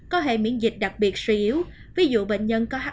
có hệ miễn dịch đặc biệt suy yếu ví dụ bệnh nhân có hi